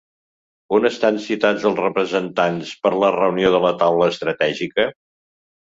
On estan citats els representants per la reunió de la Taula Estratègica?